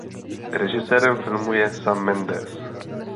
Režisérem filmu je Sam Mendes.